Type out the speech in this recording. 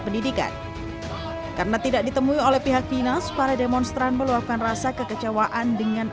pendidikan karena tidak ditemui oleh pihak dinas para demonstran meluapkan rasa kekecewaan dengan